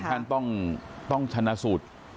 ท่านต้องชนะสูตร